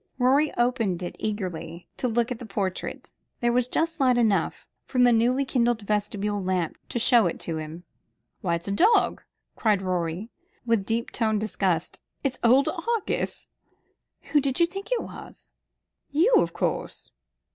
Rorie opened it eagerly, to look at the portrait. There was just light enough from the newly kindled vestibule lamp to show it to him. "Why it's a dog," cried Rorie, with deep toned disgust. "It's old Argus." "Who did you think it was?" "You, of course."